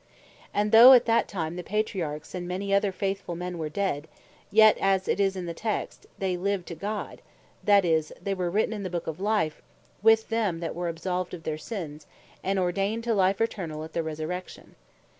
And though at that time the Patriarchs and many other faithfull men were Dead, yet as it is in the text, they Lived To God; that is, they were written in the Book of Life with them that were absolved of their sinnes, and ordained to Life eternall at the Resurrection.